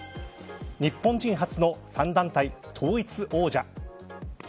日本人初の３団体統一王者。